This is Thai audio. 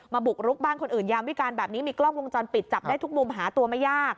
บุกรุกบ้านคนอื่นยามวิการแบบนี้มีกล้องวงจรปิดจับได้ทุกมุมหาตัวไม่ยาก